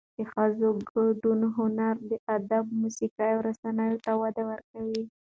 د ښځو ګډون هنر، ادبیات، موسیقي او رسنیو ته وده ورکوي.